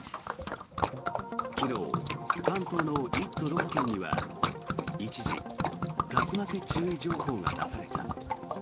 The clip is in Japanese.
昨日、関東の１都６県には一時竜巻注意情報が出された。